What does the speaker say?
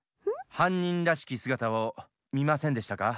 はんにんらしきすがたをみませんでしたか？